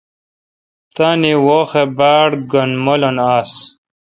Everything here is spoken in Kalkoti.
تان وحاؘ باڑ گین مولن آس۔